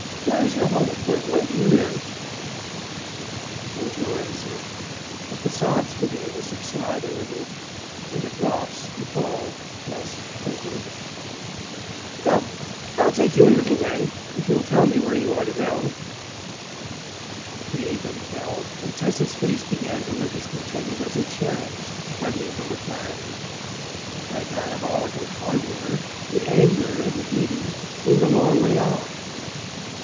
Where is your home—where do you live?" There was no answer, but the sobs began to subside a little and the drops to fall less quickly. "Come! I'll take you a little way, if you'll tell me where you want to go." The apron fell, and Tessa's face began to look as contented as a cherub's budding from a cloud. The diabolical conjuror, the anger and the beating, seemed a long way off.